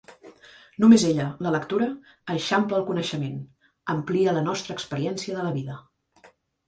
Només ella, la lectura, eixampla el coneixement, amplia la nostra experiència de la vida.